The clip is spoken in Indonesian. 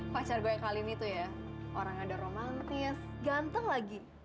pacar gue kali ini tuh ya orang ada romantis ganteng lagi